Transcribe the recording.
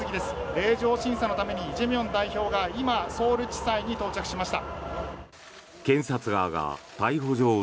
令状審査のためにイ・ジェミョン代表が今ソウル地裁に到着しました。